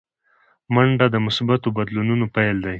منډه د مثبتو بدلونونو پیل دی